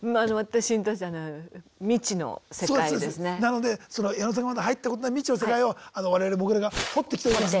なのでその矢野さんがまだ入ったことない未知の世界を我々モグラが掘ってきておりますんで。